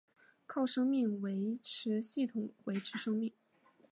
靠生命维持系统维持生命。